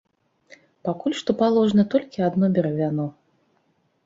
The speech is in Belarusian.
Пакуль што паложана толькі адно бервяно.